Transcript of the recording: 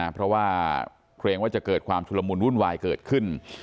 เพราะว่าเคยมีความชุดละมูลรุนวายจะเกิดขึ้น